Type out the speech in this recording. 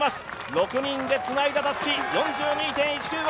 ６人でつないだたすき、４２．１９５